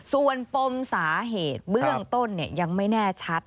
ส่วนปมสาเหตุเบื้องต้นยังไม่แน่ชัด